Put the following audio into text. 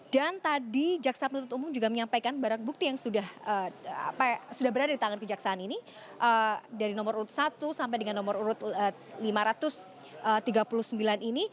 dan tadi jaksa penuntut umum juga menyampaikan barang bukti yang sudah berada di tangan kejaksaan ini dari nomor urut satu sampai dengan nomor urut lima ratus tiga puluh sembilan ini